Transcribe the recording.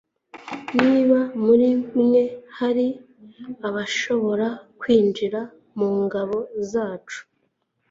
niba muri mwe hari abashobora kwinjira mu ngabo zacu